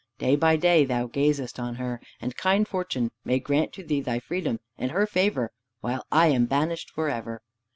Day by day thou gazest on her, and kind fortune may grant to thee thy freedom and her favor while I am banished for ever!